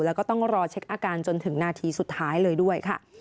แล้วก็ต้องรอเช็คอาการจนถึงนาทีสุดท้ายเลยด้วยค่ะ